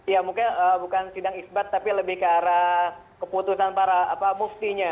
ya mungkin bukan sidang isbat tapi lebih ke arah keputusan para apa buktinya